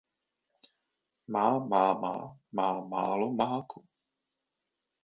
Má máma má málo máku.